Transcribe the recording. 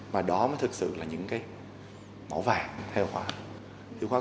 mà đó mới thực sự là những cái mỏ vàng theo khoa